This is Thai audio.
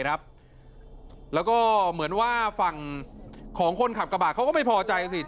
แล้วก็เหมือนว่าฝั่งของคนขับกระบาดเขาก็ไม่พอใจสิ